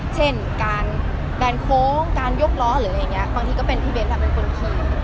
เช่นแบนโค้งการยกล้อหรืออะไรเงี่ยบางที่ก็เป็นพี่เบ้นแต่เป็นคนขี่